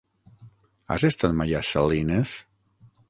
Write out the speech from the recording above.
Has estat mai a Salines?